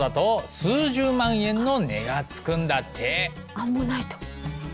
アンモナイト。